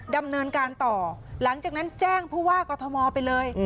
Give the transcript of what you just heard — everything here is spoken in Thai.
ดำเนินการต่อหลังจากนั้นแจ้งผู้ว่ากอทมไปเลย